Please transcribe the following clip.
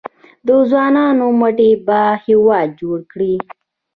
د ځوانانو مټې به هیواد جوړ کړي؟